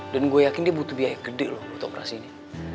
dan gue yakin dia butuh biaya gede loh buat operasinya